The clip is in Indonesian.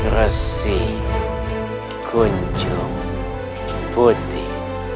resi kunjung putih